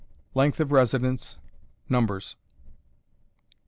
Length of Residence. Numbers.